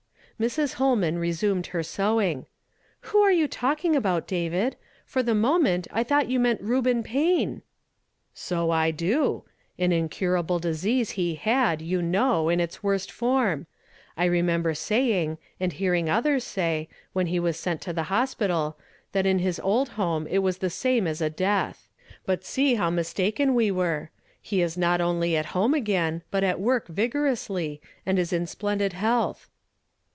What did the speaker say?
Mrs. Holman resumed her sewing. " Who are you talking about, David? For the moment, I thought you meant Reuben Payne." " So I do. An incurable disease he had, you know, in its worst form. I remember saying, and hearing othei s say, when he was sent to tlie hos pital, that in his old home it was the same as a death. But see how mistaken we were ! He is not only at home again, but at work vigorously, and is in splendid health."